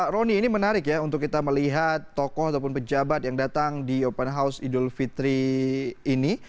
roni ini menarik ya untuk kita melihat tokoh ataupun pejabat yang datang di open house idul fitri ini